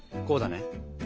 こうだね。